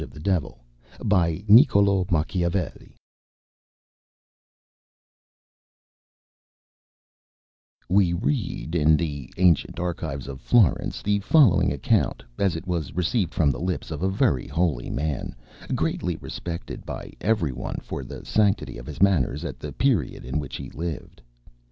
ŌĆØ BELPHAGOR BY NICCOL├Æ MACHIAVELLI We read in the ancient archives of Florence the following account, as it was received from the lips of a very holy man, greatly respected by every one for the sanctity of his manners at the period in which he lived.